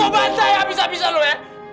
bantai abis abis lo ya